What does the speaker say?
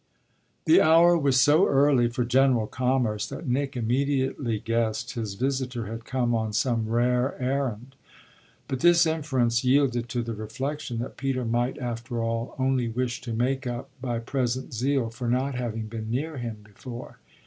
The hour was so early for general commerce that Nick immediately guessed his visitor had come on some rare errand; but this inference yielded to the reflexion that Peter might after all only wish to make up by present zeal for not having been near him before.